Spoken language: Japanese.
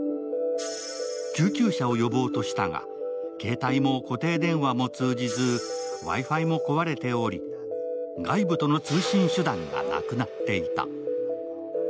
救急車を呼ぼうとしたが携帯も固定電話も通じずＷｉ−Ｆｉも壊れており、外部との通信手段がなくなっていた。